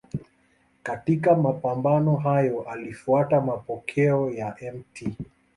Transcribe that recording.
Katika mapambano hayo alifuata mapokeo ya Mt.